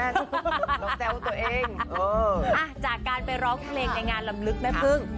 แซวตัวเองจากการไปร้องเพลงในงานลำลึกแม่พึ่ง